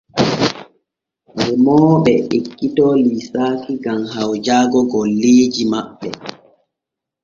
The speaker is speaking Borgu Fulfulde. Remooɓe ekkito liisaaki gam hawjaago golleeji maɓɓe.